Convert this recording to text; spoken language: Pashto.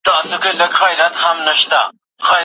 که مسواک وهل شوی وای نو درد به نه و.